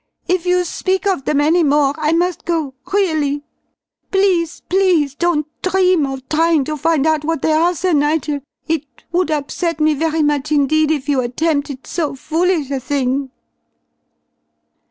If you speak of them any more, I must go really! Please, please don't dream of trying to find out what they are, Sir Nigel! It it would upset me very much indeed if you attempted so foolish a thing!"